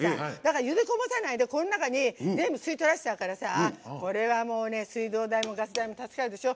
ゆでこぼさないで全部、吸い取らせちゃうからこれは、もう、水道代もガス代も助かるでしょ。